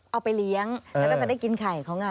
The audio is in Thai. เอาไปเลี้ยงแล้วก็จะได้กินไข่เขาไง